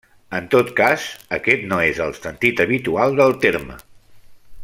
En tot cas, aquest no és el sentit habitual del terme.